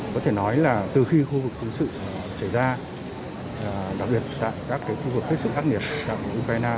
có thể nói là từ khi khu vực chiến sự xảy ra đặc biệt tại các khu vực thiết sự đắc nghiệp của ukraine